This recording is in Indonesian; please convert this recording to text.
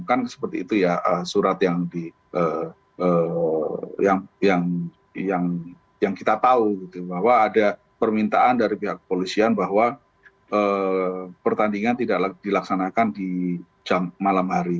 kan seperti itu ya surat yang kita tahu bahwa ada permintaan dari pihak polisian bahwa pertandingan tidak dilaksanakan di malam hari